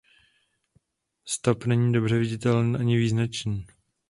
Stop není dobře viditelný ani vyznačený.